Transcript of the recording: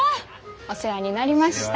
お世話になりました。